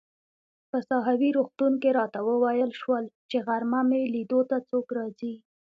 په ساحوي روغتون کې راته وویل شول چي غرمه مې لیدو ته څوک راځي.